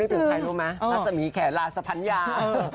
แล้วเสมอใครรู้ไหมนัสมีแขนลาสะพัญญา